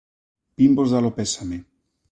Vinvos dar o pésame.